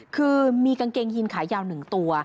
คือมีกางเกงยีนขายาว๑ตัว